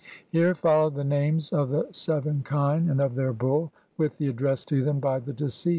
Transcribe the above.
[Here follow the names of the seven kine and of their bull, with the address to them by the deceased.